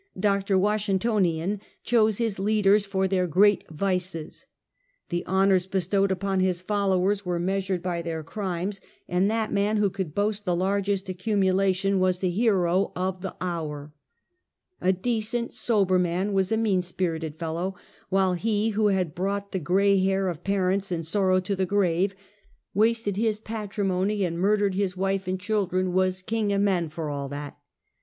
Dr. Washingtonian chose his leaders for their great vices. The honors bestowed upon his followers were measured by their crimes, and that man who could boast the largest accumulation was the hero of the hour. A decent, sober man was a mean spirited fel low; while he who had brought the grey hair of par ents in sorrow to the grave, wasted his patrimony and murdered his wife and children, was *' King o' men for a' that."